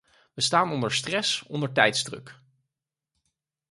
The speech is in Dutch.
We staan onder stress, onder tijdsdruk.